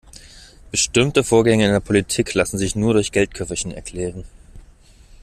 Bestimmte Vorgänge in der Politik lassen sich nur durch Geldköfferchen erklären.